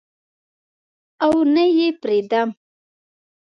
او نه یې پریدم